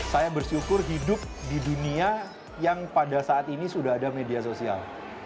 saya bersyukur hidup di dunia yang pada saat ini sudah ada media sosial